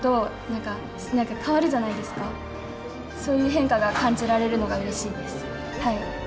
そういう変化が感じられるのがうれしいです。